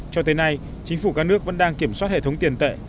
cho tới nay chính phủ các nước vẫn đang kiểm soát hệ thống tiền tệ